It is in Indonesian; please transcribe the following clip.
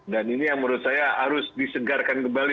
dan ini yang menurut saya harus disegarkan kembali